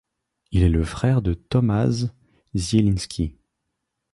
Il est le frère de Tomasz Zieliński.